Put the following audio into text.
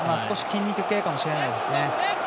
筋肉系かもしれないですね。